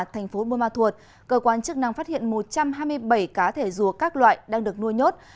thành phố buôn ma thuột cơ quan chức năng phát hiện một trăm hai mươi bảy cá thể rùa các loại đang được nuôi nhốt